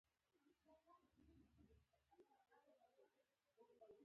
ایا دی به خپل حکم پر ځان شامل وګڼي؟